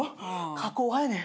加工派やねん。